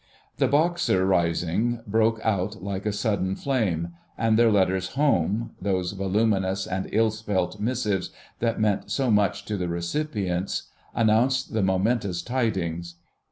The Boxer rising broke out like a sudden flame, and their letters home, those voluminous and ill spelt missives that meant so much to the recipients, announced the momentous tidings.